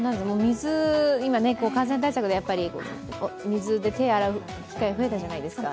今、感染対策で水で手を洗う機会が増えたじゃないですか。